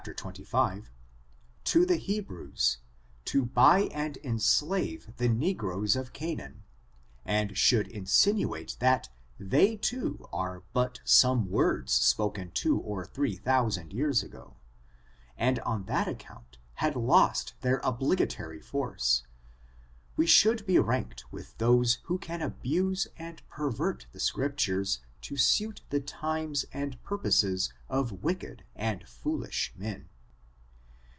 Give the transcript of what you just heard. xxv) to the Hebrews, to buy and enslave the negroes of Canaan, and should insinuate that they, tooj are but some words spoken two or three thousand years ago, and on that account had lost their obligatory force, we should be ranked with those who can abuse and pervert the Scriptures to suit the times jand purposes of wicked and foolish men.